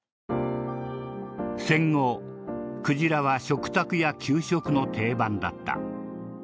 戦後クジラは食卓や給食の定番だった。